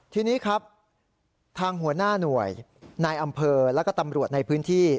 ทีนี้ครับทางหัวหน้าหน่วยนายอำเภอแล้วก็ตำรวจในพื้นที่